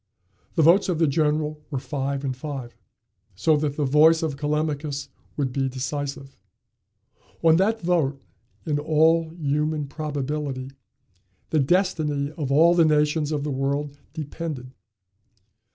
The votes of the generals were five and five, so that the voice of Callimachus would be decisive. On that vote, in all human probability, the destiny of all the nations of the world depended.